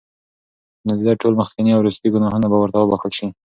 نو د ده ټول مخکيني او وروستني ګناهونه به ورته وبخښل شي